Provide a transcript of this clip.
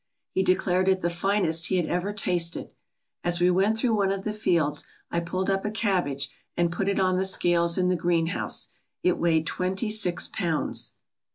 He declared it the finest he had ever tasted. As we went through one of the fields I pulled up a cabbage and put it on the scales in the greenhouse. It weighed twenty six pounds.